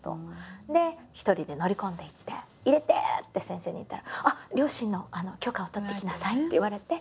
で一人で乗り込んでいって「入れて」って先生に言ったら「両親の許可を取ってきなさい」って言われて。